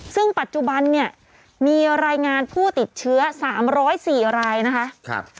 ซึ่งปัจจุบันเนี่ยมีรายงานผู้ติดเชื้อ๓๐๔รายนะคะ